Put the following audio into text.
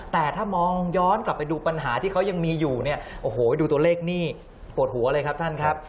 แต่ถ้ามองย้อนกลับไปดูปัญหาที่เขายังมีอยู่เนี่ยโอ้โหดูตัวเลขนี่ปวดหัวเลยครับท่านครับ